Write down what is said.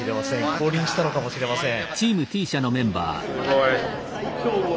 降臨したのかもしれません。